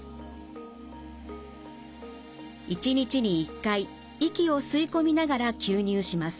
１日に１回息を吸い込みながら吸入します。